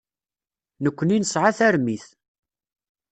Nekkni nesɛa tarmit.